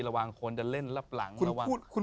ระหว่างคนจะเล่นระหว่างคุณพูดแค่